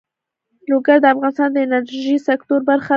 لوگر د افغانستان د انرژۍ سکتور برخه ده.